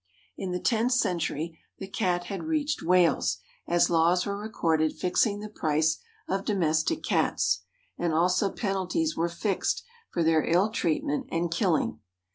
In the tenth century the Cat had reached Wales, as laws were recorded fixing the price of Domestic Cats, and also penalties were fixed for their ill treatment and killing.